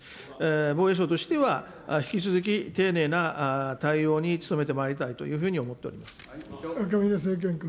防衛省としては、引き続き丁寧な対応に努めてまいりたいというふうに思っておりま赤嶺政賢君。